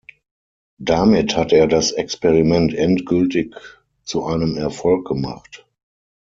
Damit hat er das Experiment endgültig zu einem Erfolg gemacht.